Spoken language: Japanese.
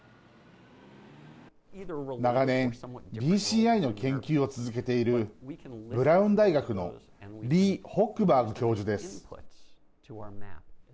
長年、ＢＣＩの研究を続けているブラウン大学のリー・ホックバーグ教授です。